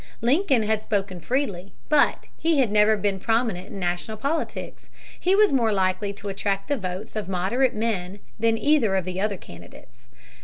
Lincoln had spoken freely. But he had never been prominent in national politics. He was more likely to attract the votes of moderate men than either of the other candidates.